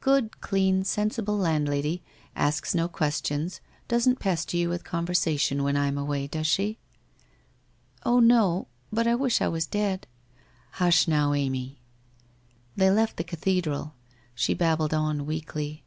Good clean, sensible landlady — asks no questions, doesn't pester you with conversation when I am away, does she ?'' Oh, no — but I wish I was dead.' 1 Hush, now, Amy.' They left the cathedral. She babbled on weakly.